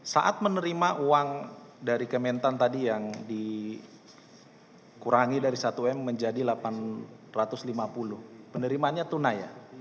saat menerima uang dari kementan tadi yang dikurangi dari satu m menjadi delapan ratus lima puluh penerimaannya tunai